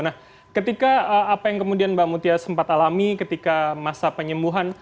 nah ketika apa yang kemudian mbak mutia sempat alami ketika masa penyembuhan